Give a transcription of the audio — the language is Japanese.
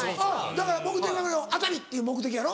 だから目的熱海！っていう目的やろ？